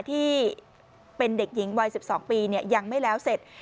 ที่เป็นเด็กหญิงวัย๑๒ปียังไม่แล้วเสร็จ